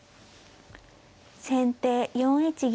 先手４一銀。